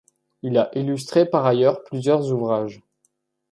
Il a illustré par ailleurs plusieurs ouvrages.